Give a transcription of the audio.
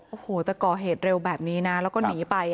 โอ้โหแต่ก่อเหตุเร็วแบบนี้นะแล้วก็หนีไป